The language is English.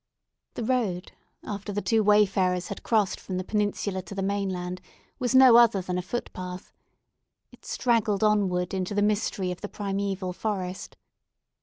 The road, after the two wayfarers had crossed from the Peninsula to the mainland, was no other than a footpath. It straggled onward into the mystery of the primeval forest.